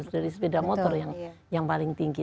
dari sepeda motor yang paling tinggi